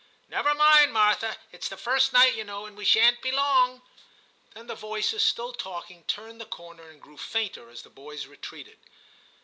Never mind, Martha ; it's the first night, you know, and we shan't be long.' Then the voices, still talking, turned the corner and grew fainter as the boys retreated.